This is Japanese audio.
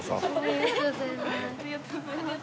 ありがとうございます。